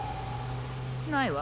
ないわ。